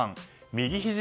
右ひじ